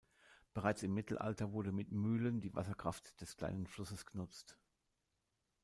Bereits im Mittelalter wurde mit Mühlen die Wasserkraft des kleinen Flusses genutzt.